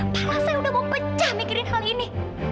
malah saya sudah mau pecah mikirkan hal ini